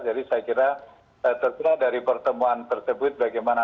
jadi saya kira terkira dari pertemuan tersebut bagaimana